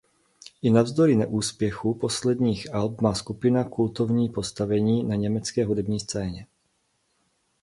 I navzdory neúspěchu posledních alb má skupina kultovní postavení na německé hudební scéně.